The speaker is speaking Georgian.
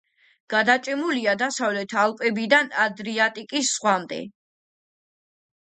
გადაჭიმულია დასავლეთ ალპებიდან ადრიატიკის ზღვამდე.